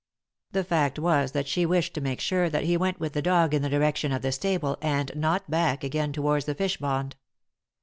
The fact was that she wished to make sure that he went with the dog in the direction of the stable, and not back again towards the fishpond.